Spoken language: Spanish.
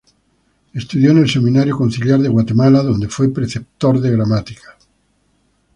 Estudió en el Seminario Conciliar de Guatemala, donde fue preceptor de gramática.